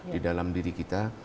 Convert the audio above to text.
di dalam diri kita